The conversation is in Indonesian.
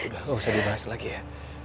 udah gak usah dibahas lagi ya